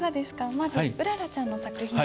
まずうららちゃんの作品は。